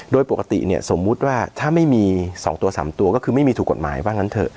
โดยปกติเนี่ยสมมุติว่าถ้าไม่มี๒ตัว๓ตัวก็คือไม่มีถูกกฎหมายว่างั้นเถอะ